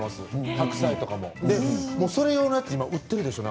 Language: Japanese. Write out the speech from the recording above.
白菜とかも専用のやつ、売っているでしょう。